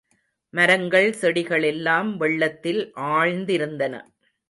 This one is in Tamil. மரங்கள் செடிகளெல்லாம் வெள்ளத்தில் ஆழ்ந்திருந்தன.